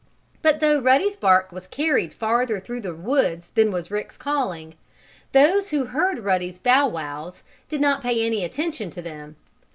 But though Ruddy's bark was carried farther through the woods than was Rick's calling, those who heard Ruddy's "bow wows" did not pay any attention to them.